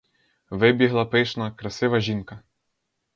Вибігла пишна, красива жінка.